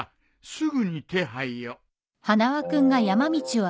すぐに手配を。